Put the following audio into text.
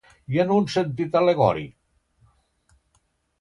I en un sentit al·legòric?